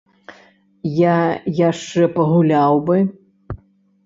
Я яшчэ пагуляў бы.